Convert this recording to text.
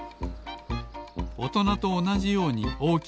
おとなとおなじようにおおきなあしです